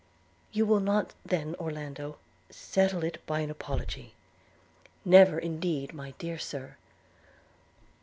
'You will not then, Orlando, settle it by an apology?' 'Never, indeed, my dear Sir.'